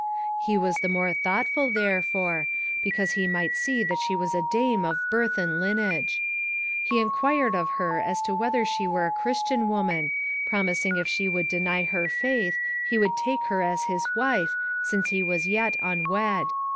He was the more thoughtful therefore, because he might see that she was a dame of birth and lineage. He inquired of her as to whether she were a Christian woman, promising that if she would deny her faith, he would take her as his wife, since he was yet unwed.